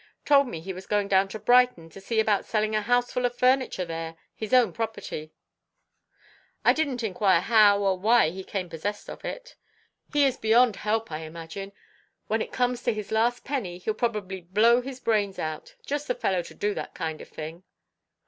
Told me he was going down to Brighton to see about selling a houseful of furniture there his own property. I didn't inquire how or why he came possessed of it. He is beyond help, I imagine. When he comes to his last penny, he'll probably blow his brains out; just the fellow to do that kind of thing."